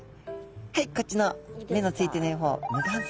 はいこっちの目のついてない方無眼側。